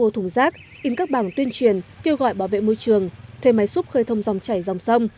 thùng rác in các bảng tuyên truyền kêu gọi bảo vệ môi trường thuê máy xúc khơi thông dòng chảy dòng sông